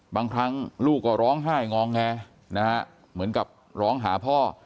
บางครั้งลูกก็ร้องไห้งอแงนะฮะเหมือนกับร้องหาพ่อ